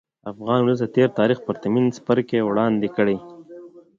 د افغان ولس د تېر تاریخ پرتمین څپرکی وړاندې کړي.